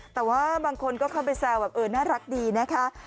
แต่ว่าบางคนก็เข้าไปแซวแบบเออน่ารักดีนะคะ